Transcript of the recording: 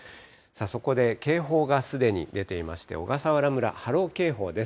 そこで警報がすでに出ていまして、小笠原村、波浪警報です。